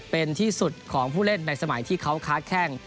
เป็นที่สุดของผู้เล่นในสมัยที่เขาค้าแข้ง